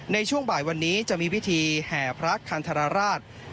ในช่วงบ่ายวันนี้จะมีพิธีแห่พระคันธรราช